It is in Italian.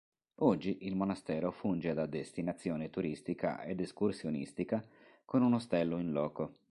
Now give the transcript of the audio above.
Oggi, il monastero funge da destinazione turistica ed escursionistica con un ostello in loco.